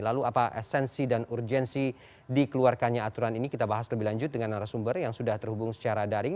lalu apa esensi dan urgensi dikeluarkannya aturan ini kita bahas lebih lanjut dengan arah sumber yang sudah terhubung secara daring